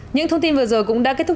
những thông tin vừa rồi cũng đã kết thúc